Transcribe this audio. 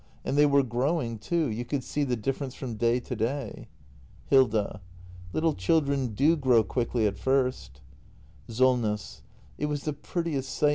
And they were growing too — you could see the difference f"om day to day. Hilda. Little children do grow quickly at first. i SOLJTESS. It was the prettiest sigh .